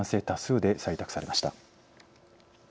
多数で採択されました。